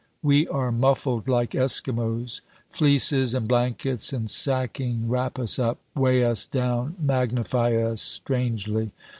We are muffled like Eskimos. Fleeces and blankets and sacking wrap us up, weigh us down, magnify us strangely.